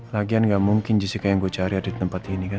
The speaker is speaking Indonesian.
lagian gak mungkin jessica yang gue cari ada di tempat ini kan